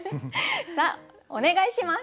さあお願いします。